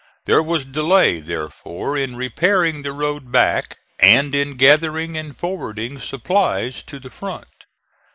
There was delay therefore in repairing the road back, and in gathering and forwarding supplies to the front.